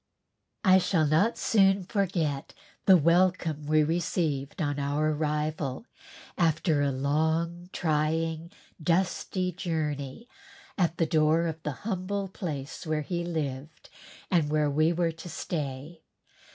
I shall not soon forget the welcome we received on our arrival after a long trying dusty journey, at the door of the humble place where he lived and where we were to stay.